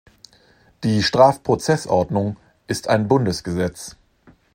Die Strafprozessordnung ist ein Bundesgesetz.